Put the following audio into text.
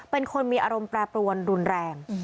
เป็นคนมีอารมณ์แปรปรวนรุนแรง